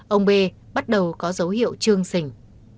ông b bắt đầu có dấu hiệu trương sỉnh